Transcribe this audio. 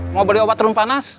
mau beli obat terum panas